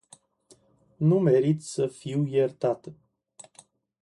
Nu merit sa fiu iertat.